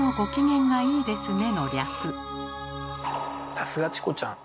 さすがチコちゃん。